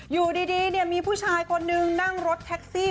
อยู่ดีมีผู้ชายคนนึงนั่งรถแท็กซี่